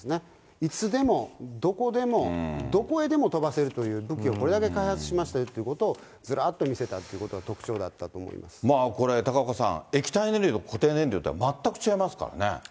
いつでもどこでもどこへでも飛ばせるという武器をこれだけ開発しましたよということをずらっと見せたということが特徴だったと思これ、高岡さん、液体燃料と固定燃料というのは、全く違いますからね。